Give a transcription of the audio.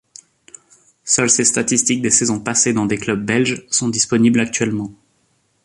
Seules ses statistiques des saisons passées dans des clubs belges sont disponibles actuellement.